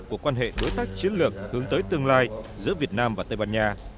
của quan hệ đối tác chiến lược hướng tới tương lai giữa việt nam và tây ban nha